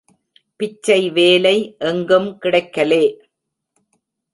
பிச்சை வேலை எங்கும் கிடைக்கலே.